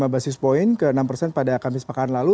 dua puluh lima basis point ke enam pada kamis pekaan lalu